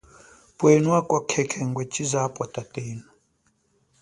Pwenu akwa khekhe ngwe chize apwa tatenu.